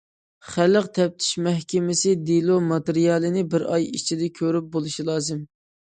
خەلق تەپتىش مەھكىمىسى دېلو ماتېرىيالىنى بىر ئاي ئىچىدە كۆرۈپ بولۇشى لازىم.